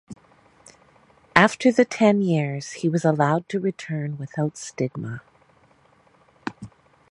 After the ten years, he was allowed to return without stigma.